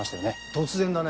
突然だね。